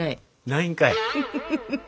ないんかい！